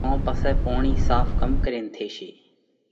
تو پسئہ پوڻِي ساڦ ڪم ڪرينَ ٿيشي؟